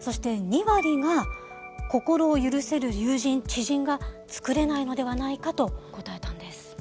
そして２割が心を許せる友人・知人が作れないのではないかと答えたんです。